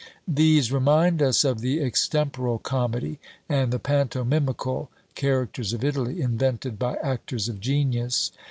These remind us of the extemporal comedy and the pantomimical characters of Italy, invented by actors of genius.